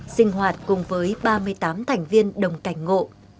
sinh hoạt cùng với ba mươi tám thành viên đồng cảnh ngộ